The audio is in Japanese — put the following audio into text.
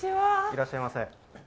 いらっしゃいませ。